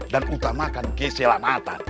dan utamakan keselamatan